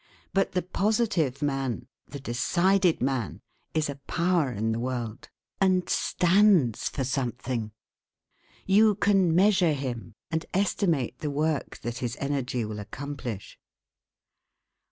But the positive man, the decided man, is a power in the world, and stands for something; you can measure him, and estimate the work that his energy will accomplish.